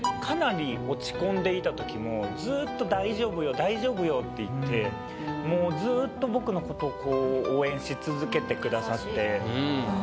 かなりずっと「大丈夫よ大丈夫よ」って言ってもうずっと僕のことをこう応援し続けてくださって。